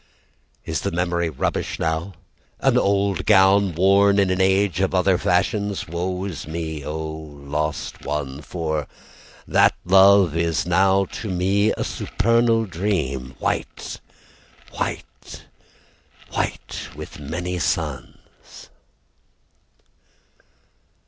Is the memory rubbish now? An old gown Worn in an age of other fashions? Woe is me, oh, lost one, For that love is now to me A supernal dream, White, white, white with many suns.